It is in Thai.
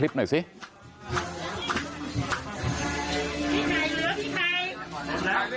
พูดตรงเลยครับ